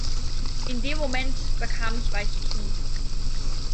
In dem Moment bekam ich weiche Knie.